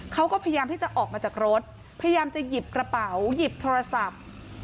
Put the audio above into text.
เขาก็พยายามที่จะออกมาจากรถพยายามจะหยิบกระเป๋าหยิบโทรศัพท์